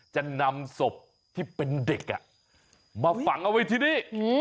จะนำศพที่เป็นเด็กมาฝังเอาไว้ที่นี่